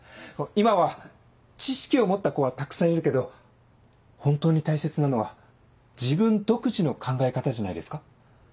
今は知識を持った子はたくさんいるけど本当に大切なのは自分独自の考え方じゃないですか？